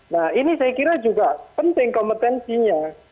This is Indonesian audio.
nah ini saya kira juga penting kompetensinya